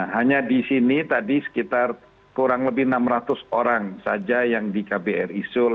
hanya di sini tadi sekitar kurang lebih enam ratus orang saja yang di kbri seoul